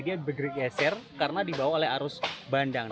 dia bergeser karena dibawa oleh arus bandang